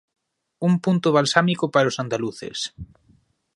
Un punto balsámico para os andaluces.